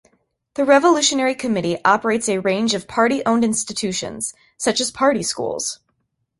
The Revolutionary Committee operates a range of party-owned institutions, such as party schools.